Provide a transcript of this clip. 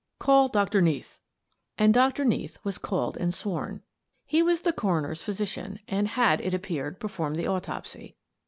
Call Doctor Neath." And Doctor Neath was called and sworn. He was the coroner's physician, and had, it ap peared, performed the autopsy.